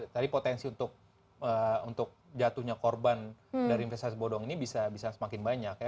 tadi potensi untuk jatuhnya korban dari investasi bodong ini bisa semakin banyak ya